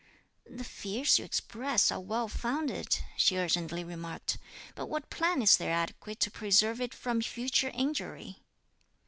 "The fears you express are well founded," she urgently remarked, "but what plan is there adequate to preserve it from future injury?"